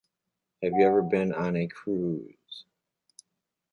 Have you ever been on a cruise?